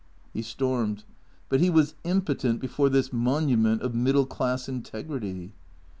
He stormed. But he was impotent before this monument of middle class integrity.